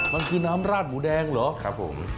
มันคือน้ำราดหมูแดงเหรอครับผม